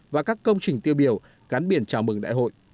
và các công trình tiêu biểu gắn biển chào mừng đại hội